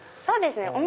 そうですね